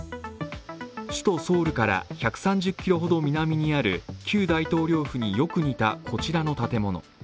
首都ソウルから１３０ｋｍほど南にある旧大統領府によく似たこちらの建物。